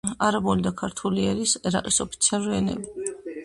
არაბული და ქურთული არის ერაყის ოფიციალური ენები.